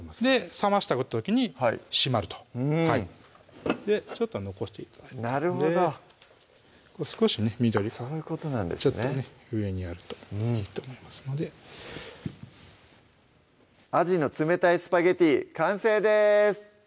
冷ました時に締まるとうんちょっと残して頂いたんでなるほど少しね緑がちょっと上にあるといいと思いますので「あじの冷たいスパゲッティ」完成です